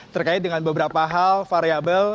terkait dengan beberapa hal variable